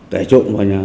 kẻ trộm vào nhà